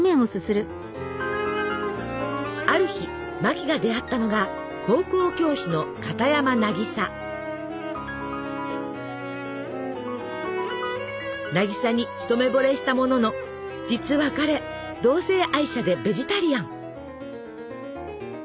ある日マキが出会ったのが渚に一目ぼれしたものの実は彼同性愛者でベジタリアン。